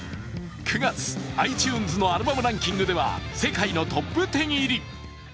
９月、ｉＴｕｎｅｓのアルバムランキングでは世界のトップ１０入り。